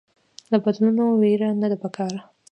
له بدلون ويره نده پکار